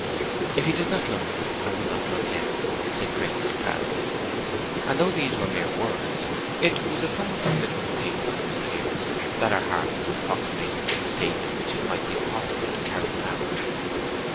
"If he does not love me I will not love him!" said Grace, proudly. And though these were mere words, it was a somewhat formidable thing for Fitzpiers that her heart was approximating to a state in which it might be possible to carry them out.